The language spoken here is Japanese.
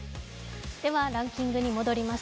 ではランキングに戻ります。